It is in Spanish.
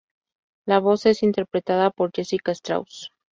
La voz es interpretada por Jessica Straus.